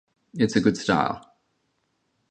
It's a good style.